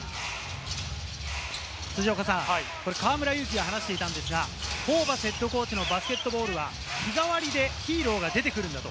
河村勇輝が話していたんですが、ホーバスＨＣのバスケットボールは日替わりでヒーローが出てくるんだと。